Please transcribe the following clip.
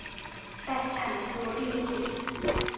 แต่ฉันรู้ดี